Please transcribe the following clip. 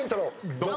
ドン！